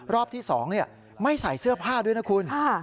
รอบที่๒ไม่ใส่เสื้อผ้าด้วยนะคุณ